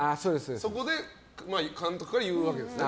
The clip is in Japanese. そこで監督から言うわけですね。